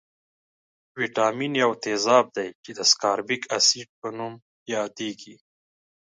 ویتامین یو تیزاب دی چې د سکاربیک اسید په نوم یادیږي.